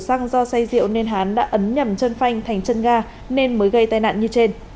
xăng do say rượu nên hắn đã ấn nhầm chân phanh thành chân ga nên mới gây tai nạn như trên